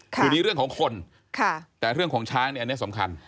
คือนี้เรื่องของคนแต่เรื่องของช้างเนี่ยอันนี้สำคัญ